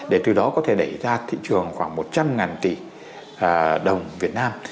để từ đó có thể đẩy ra thị trường khoảng một trăm linh tỷ đồng việt nam